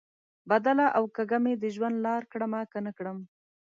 بدله او کږه مې د ژوند لار کړمه، که نه کړم؟